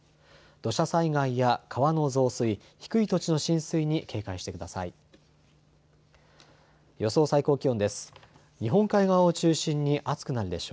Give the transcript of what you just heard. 土砂災害や川の増水、低い土地の浸水に警戒してください。